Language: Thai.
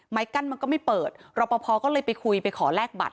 กั้นมันก็ไม่เปิดรอปภก็เลยไปคุยไปขอแลกบัตร